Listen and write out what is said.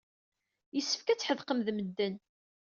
Yessefk ad tḥedqem d medden.